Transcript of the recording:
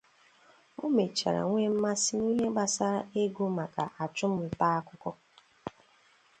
O mechara nwee mmasi n'ihe gbasara igụ maka achụm nta akụkọ.